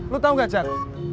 lu tau gak jad